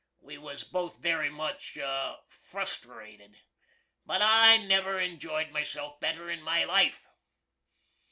We was both very much flustrated. But I never injoyed myself better in my life.